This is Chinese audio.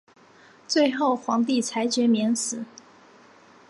最后皇帝裁决免死。